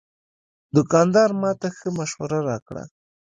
دوکاندار ماته ښه مشوره راکړه.